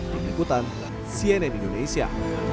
dikikutan cnm indonesia